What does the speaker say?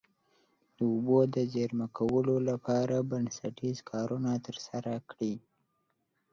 د اوبو د زیرمه کولو لپاره بنسټیز کارونه ترسره کړي.